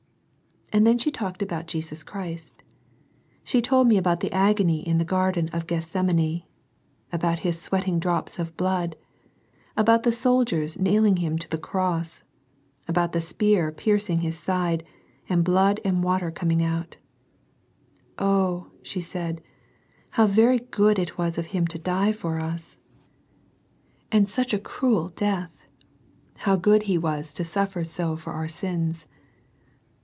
And then she talked about Jesus Christ. She told me about the agony in the garden of Gethsemane, — ^about His sweating drops of blood,— ^bout the soldiers nailing Him to the cross, — ^about the spear piercing His side, and blood and water coming out " Oh," she said, " how very good it was of Him to die for us^ 86 SERMONS FOR CHILDREN. and such a cruel death ! How good He was to suffer so for our sins."